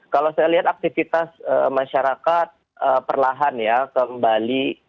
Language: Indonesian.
kalau saya lihat aktivitas masyarakat perlahan ya kembali